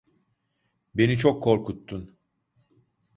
Beni çok korkuttun.